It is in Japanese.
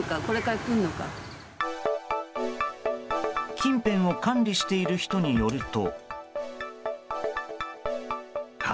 近辺を管理している人によると。